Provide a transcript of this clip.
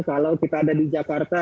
kalau kita ada di jakarta